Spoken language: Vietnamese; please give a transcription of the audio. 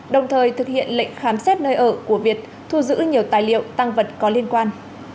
đồng thời thực hiện lệnh khám xét nơi ở của việt thu giữ nhiều tài liệu tăng vật có liên quan